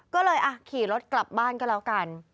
ก็เลยขี่รถกลับบ้านก็แล้วกัน